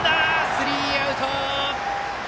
スリーアウト！